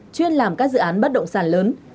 chuyên làm các dự án bất động sản lớn